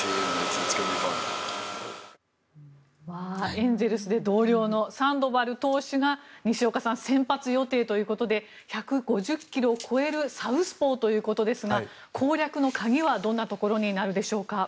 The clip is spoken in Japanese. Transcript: エンゼルスで同僚のサンドバル投手が西岡さん、先発予定ということで１５０キロを超えるサウスポーということですが攻略の鍵はどんなところになるでしょうか。